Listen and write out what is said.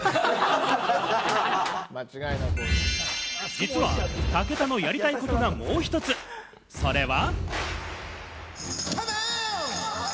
実は武田のやりたいことがもう一つ、それは。